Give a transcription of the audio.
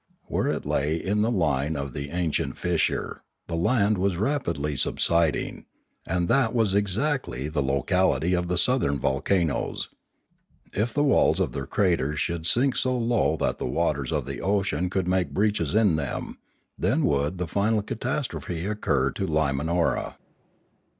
Where it lay in the line of the ancient fissure, the land was rapidly subsiding; and that was exactly the locality of the southern volcanoes. If the walls of their craters should sink so low that the waters of the ocean could make breaches in them, then would the final catas trophe occur to Limanora.